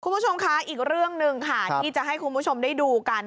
คุณผู้ชมคะอีกเรื่องหนึ่งค่ะที่จะให้คุณผู้ชมได้ดูกัน